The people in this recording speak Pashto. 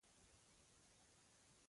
کائنات تل په حرکت او بدلون کې دی.